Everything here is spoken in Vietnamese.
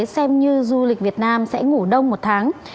xem như du lịch việt nam sẽ ngủ đông một tháng